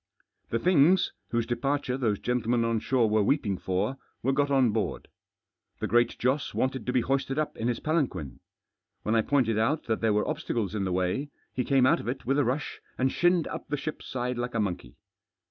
The things, whose departure those gentlemen on shore were weeping for, were got on board. The Great Joss wanted to be hoisted up in his palanquin. When I pointed out that there were obstacles in the way, he came out of it with a rush and shinned up the ship's side like a monkey.